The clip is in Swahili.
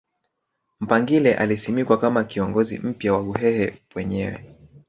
Mpangile alisimikwa kama kiongozi mpya wa Uhehe penyewe